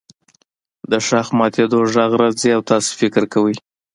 د ښاخ ماتیدو غږ راځي او تاسو فکر کوئ